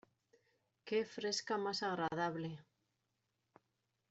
Qué fresca más agradable.